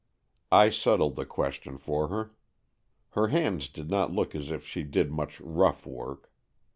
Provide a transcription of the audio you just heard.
I settled the question for her. Her hands did not look as if she did much rough work.